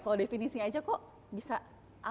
soal definisi aja kok bisa alot sekali